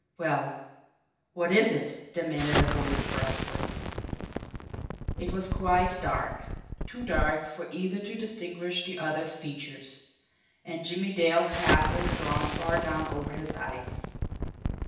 "Well, what is it?" demanded a voice brusquely. It was quite dark, too dark for either to distinguish the other's features and Jimmie Dale's hat was drawn far down over his eyes.